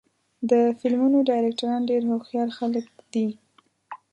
د فلمونو ډایرکټران ډېر هوښیار خلک دي.